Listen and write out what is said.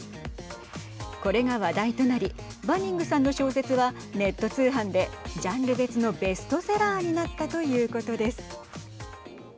これが話題となりバニングさんの小説はネット通販でジャンル別のベストセラーになったということです。